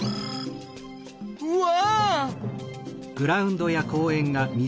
うわ！